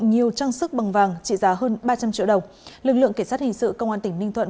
nhiều trang sức bằng vàng trị giá hơn ba trăm linh triệu đồng lực lượng kể sát hình sự công an tỉnh ninh thuận